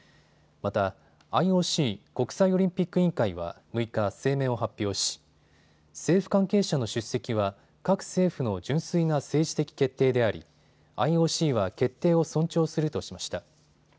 またＩＯＣ・国際オリンピック委員会は６日、声明を発表し政府関係者の出席は各政府の純粋な政治的決定でありＩＯＣは決定を尊重するとしました。